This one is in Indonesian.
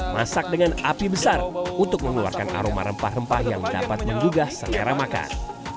masak dengan api besar untuk mengeluarkan aroma rempah rempah yang dapat menggugah sentra makan